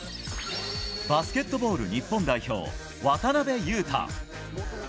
バスケットボール、日本代表、渡邊雄太。